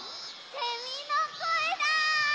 セミのこえだ！